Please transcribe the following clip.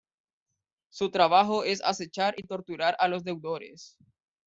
Su trabajo es acechar y torturar a los deudores.